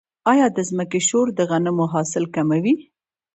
آیا د ځمکې شور د غنمو حاصل کموي؟